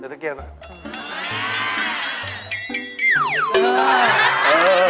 เดี๋ยวทักเกียจไหม